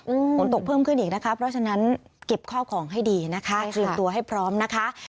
ฝนตกเพิ่มขึ้นอีกนะคะเพราะฉะนั้นเก็บข้อของให้ดีนะคะเตรียมตัวให้พร้อมนะคะ